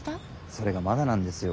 それがまだなんですよ。